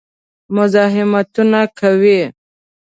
مزاحمتونه کوي.